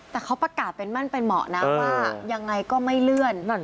แต่เขาประกาศเป็นมั่นเป็นเหมาะนะว่ายังไงก็ไม่เลื่อน